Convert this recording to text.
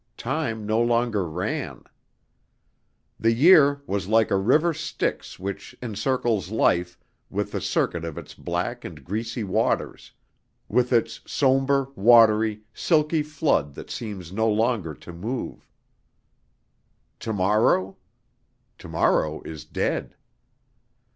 Time no longer ran. The year was like a river Styx which encircles life with the circuit of its black and greasy waters, with its somber, watery, silky flood that seems no longer to move. Tomorrow? Tomorrow is dead.